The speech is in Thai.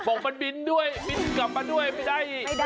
บอกมันบินด้วยบินกลับมาด้วยไม่ได้